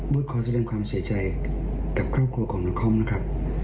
ขอแสดงความเสียใจกับครอบครัวของนครนะครับ